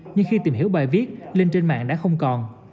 nhưng khi tìm hiểu bài viết linh trên mạng đã không còn